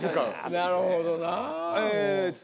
なるほどな。